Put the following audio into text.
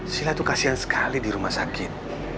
silah tuh kasihan sekali di rumah sakit